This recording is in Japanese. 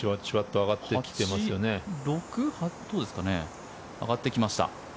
上がってきました。